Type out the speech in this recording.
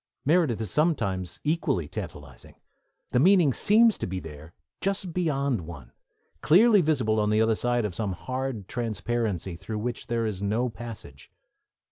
Meredith is sometimes equally tantalising. The meaning seems to be there, just beyond one, clearly visible on the other side of some hard transparency through which there is no passage.